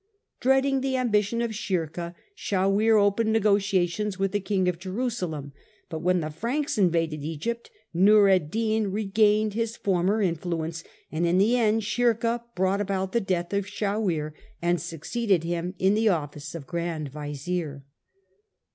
Dreading the ambition of Shirkuh, Shawir opened negotiations with the King of Jerusalem, but when the Franks invaded Egypt Nur ed din regained his former influence, and in the end Shirkuh brought about the death of Shawir and succeeded him in the office of grand vizir.